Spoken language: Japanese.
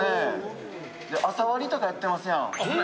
朝割とかやってますやん。